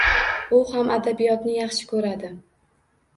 U ham adabiyotni yaxshi koʻradi.